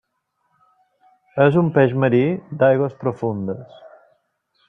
És un peix marí d'aigües profundes.